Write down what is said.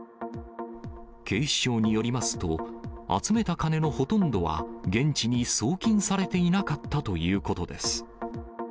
警視庁によりますと、集めた金のほとんどは、現地に送金されていなかったということです。